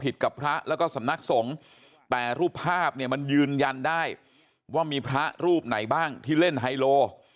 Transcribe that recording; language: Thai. กับพระแล้วก็สำนักสงฆ์แต่รูปภาพเนี่ยมันยืนยันได้ว่ามีพระรูปไหนบ้างที่เล่นไฮโล